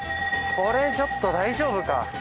これちょっと大丈夫か？